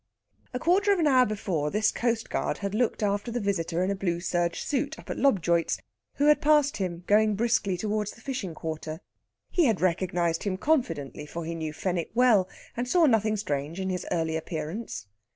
A quarter of an hour before, this coastguard had looked after the visitor in a blue serge suit up at Lobjoit's, who had passed him going briskly towards the fishing quarter. He had recognised him confidently, for he knew Fenwick well, and saw nothing strange in his early appearance.